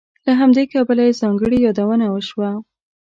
له همدې کبله یې ځانګړې یادونه وشوه.